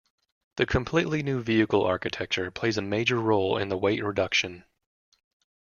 The completely new vehicle architecture plays a major role in the weight reduction.